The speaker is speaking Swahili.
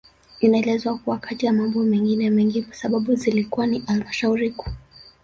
Inaelezwa kuwa kati ya mambo mengine mengi sababu zilikuwa ni halmashauri Kuu